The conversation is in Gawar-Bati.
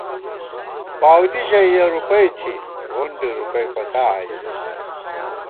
پاؤلی ژَئی یَہ رُوپَئ تھی، غونڈِی رُوپَئ پتا آئی